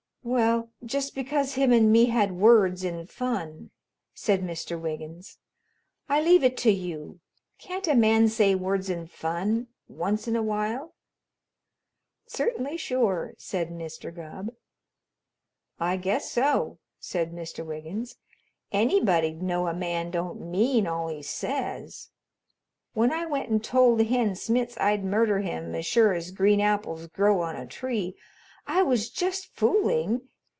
"Well, just because him and me had words in fun," said Mr. Wiggins, "I leave it to you, can't a man say words in fun once in a while?" "Certainly sure," said Mr. Gubb. "I guess so," said Mr. Wiggins. "Anybody'd know a man don't mean all he says. When I went and told Hen Smitz I'd murder him as sure as green apples grow on a tree, I was just fooling.